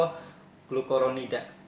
bpa atau bisphenol glukoronida